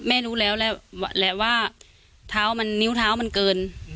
แม่รู้แล้วแหละว่านิ้วเท้ามันเกิน